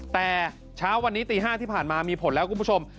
แต่เช้าวันนี้ตี๕ที่ผ่านมามีผลแล้วคุณผู้ชม